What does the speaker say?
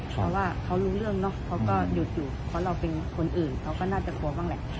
เพราะว่าเขารู้เรื่องเนอะเขาก็หยุดอยู่เพราะเราเป็นคนอื่นเขาก็น่าจะกลัวบ้างแหละ